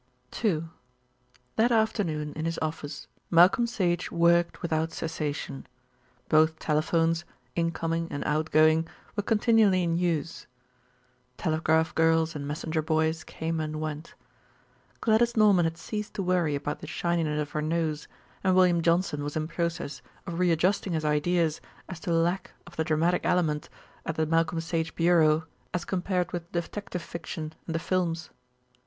II That afternoon in his office Malcolm Sage worked without cessation. Both telephones, incoming and outgoing, were continually in use. Telegraph girls and messenger boys came and went. Gladys Norman had ceased to worry about the shininess of her nose, and William Johnson was in process of readjusting his ideas as to lack of the dramatic element at the Malcolm Sage Bureau as compared with detective fiction and the films.